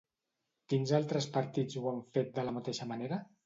Quins altres partits ho han fet de la mateixa manera?